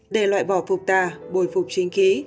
để loại bỏ phục tà bồi phục chính khí